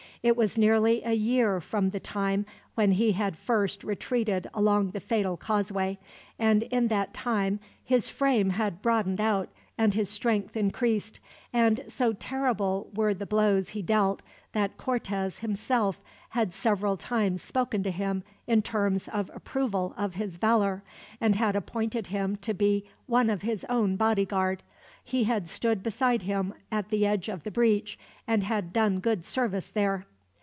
It was nearly a year from the time when he had first retreated along the fatal causeway; and in that time his frame had broadened out, and his strength increased; and so terrible were the blows he dealt that Cortez, himself, had several times spoken to him in terms of approval of his valor, and had appointed him to be one of his own bodyguard. He had stood beside him at the edge of the breach, and had done good service there.